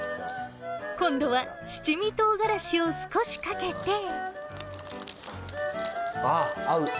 今度は七味とうがらしを少しあー、合う！